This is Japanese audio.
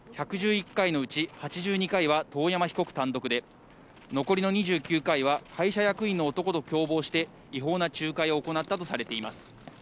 １１１回のうち８２回は遠山被告単独で、残りの２９回は会社役員の男と共謀して、違法な仲介を行ったとされています。